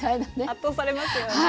圧倒されますよね。